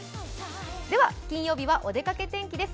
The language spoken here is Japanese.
では、金曜日はお出かけ天気です。